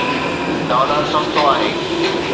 Dollar سستو آهي.